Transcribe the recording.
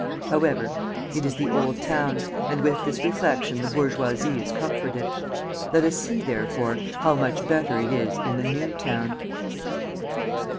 However, it is the Old Town, and with this reflection the bourgeoisie is comforted. Let us see, therefore, how much better it is in the New Town.